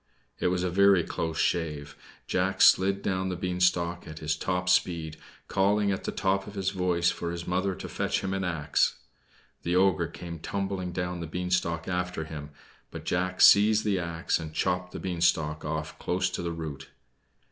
It was a very close shave. Jack slid down the beanstalk at his top speed, calling at the top of his voice for his mother to fetch him an axe. The ogre came tumbling down the beanstalk after him; but Jack seized the axe and chopped the beanstalk off close to the root.